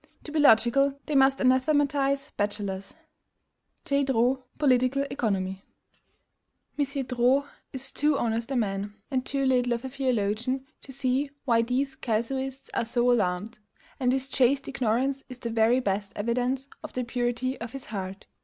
To be logical, they must anathematize bachelors." (J. Droz: Political Economy.) M. Droz is too honest a man, and too little of a theologian, to see why these casuists are so alarmed; and this chaste ignorance is the very best evidence of the purity of his heart.